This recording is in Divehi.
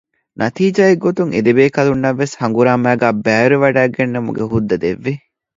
ނަތީޖާއެއްގެ ގޮތުން އެދެބޭކަލުންނަށްވެސް ހަނގުރާމައިގައި ބައިވެރިވެވަޑައިގެންނެވުމުގެ ހުއްދަ ދެއްވި